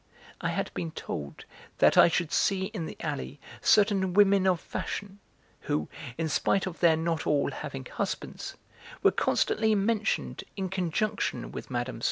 I had been told that I should see in the alley certain women of fashion, who, in spite of their not all having husbands, were constantly mentioned in conjunction with Mme.